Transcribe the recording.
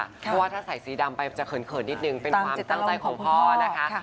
เพราะว่าถ้าใส่สีดำไปจะเขินนิดนึงเป็นความตั้งใจของพ่อนะคะ